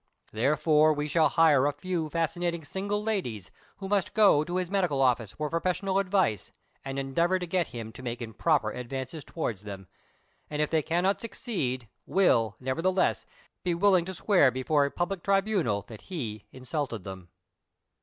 Therefore, we shall hire a few fascinating single ladies, who must go to his medical office for professional advice, and endeavor to get him to make improper ad vances toward them; and if they cannot succeed, will, nevertheless, be willing to swear before a public tribunal that he insulted them."